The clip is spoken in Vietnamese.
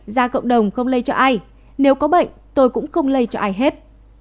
ra cộng đồng không lây cho ai nếu có bệnh tôi cũng không lây cho ai hết